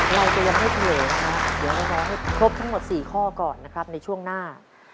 เราจะยังไม่เฉลยนะครับเดี๋ยวเราจะรอให้ครบทั้งหมด๔ข้อก่อนนะครับในช่วงหน้า